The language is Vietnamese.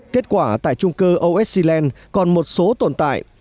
kết quả tại trung cư osc land còn một số tồn tại